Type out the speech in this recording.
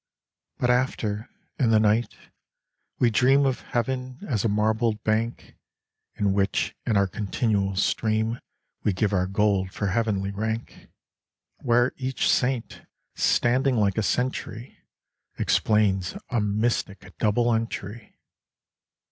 But after, in the night, we dream Of Heaven as a marbled bank. In which in our continual stream We give our gold for heavenly rank, Where each Saint, standing like a sentry, Explains a mystic double entry.